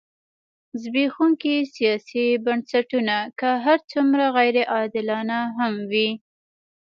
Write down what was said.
زبېښونکي سیاسي بنسټونه که هر څومره غیر عادلانه هم وي.